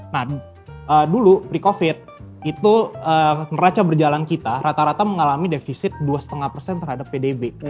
nah dulu pre covid itu neraca berjalan kita rata rata mengalami defisit dua lima persen terhadap pdb